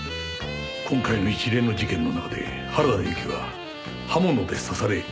今回の一連の事件の中で原田由紀は刃物で刺され殺害されました。